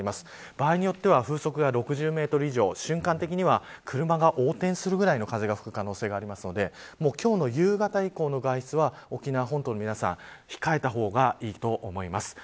場合によっては風速６０メートル以上瞬間的には、車が横転するぐらいの風が吹く可能性があるので今日の夕方以降の外出は沖縄本島の皆さんは控えた方がいいと思います。